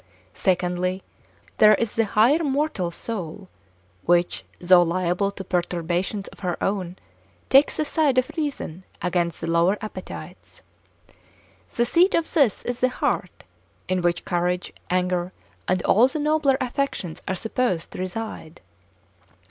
Secondly, there is the higher mortal soul which, though liable to perturbations of her own, takes the side of reason against the lower appetites. The seat of this is the heart, in which courage, anger, and all the nobler affections are supposed to reside.